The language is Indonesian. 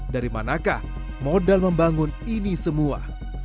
dari manakah modal membangun ini semua